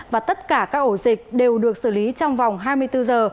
và tất cả các ổ dịch đều được xử lý trong vòng hai mươi bốn giờ